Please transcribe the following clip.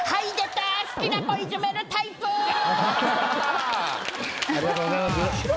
ありがとうございます。